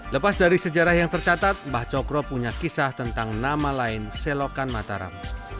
lepas dari sejarah yang tercatat mbah cokro punya kisah tentang nama lain selokan mataram